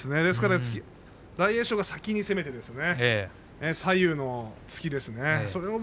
大栄翔が先に攻めて左右の突きですね。